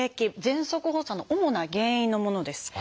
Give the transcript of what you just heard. ぜんそく発作の主な原因のものです。